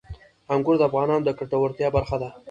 انګور د افغانانو د ګټورتیا برخه ده.